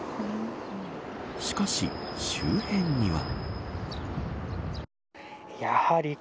しかし、周辺には。